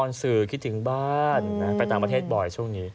สื่อคิดถึงบ้านไปต่างประเทศบ่อยช่วงนี้